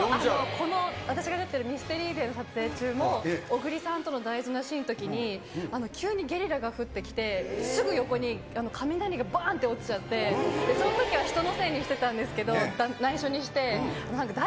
この、私が出てるＴＨＥＭＹＳＴＥＲＹＤＡＹの撮影中も、小栗さんとの大事なシーンのときに、急にゲリラが降ってきて、すぐ横に雷がばんって落ちちゃって、そのときは人のせいにしてたんですけど、内緒にして誰？